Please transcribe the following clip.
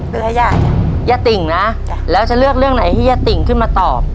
เพื่อให้ย่าจ้ะย่าติ่งนะจ้ะแล้วจะเลือกเรื่องไหนให้ย่าติ่งขึ้นมาตอบ